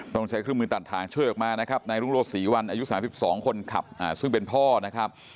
ต้องใช้เครื่องมือตัดทางช่วยออกมานะครับนายรุงโรศรีวันอายุ๓๒คนขับซึ่งเป็นพ่อนะครับ